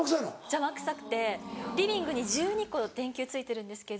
邪魔くさくてリビングに１２個電球ついてるんですけど。